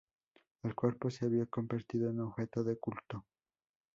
El cuerpo se había convertido en objeto de culto.